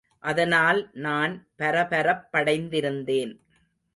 அதனால் நான் பரபரப்படைந்திருந்தேன்.